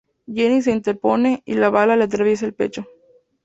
Jenny se interpone y la bala le atraviesa el pecho.